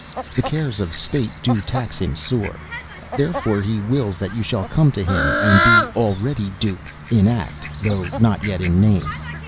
The cares of state do tax him sore. Therefore he wills that you shall come to him and be already Duke in act, though not yet in name.